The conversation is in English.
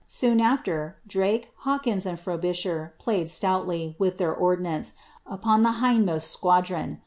Soon after, Drake, Hawkins, and Fro bisher played stoutly, with their ordnance, upon the hindmost squadron.